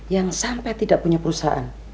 yang sampai tidak punya perusahaan